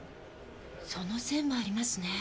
そのセンもありますね。